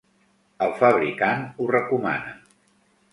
El fabricant ho recomana.